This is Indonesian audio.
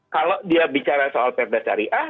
kalau dia bicara soal perda syariah